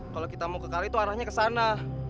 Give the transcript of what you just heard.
kalau kita mau ke kale itu arahnya ke sana